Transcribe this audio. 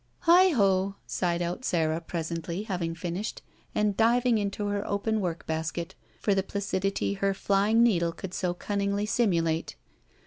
"Heigh ho!" sighed out Sara, presently, having finished, and diving into her open workbasket for the placidity her fljring needle could so cimningly simulate.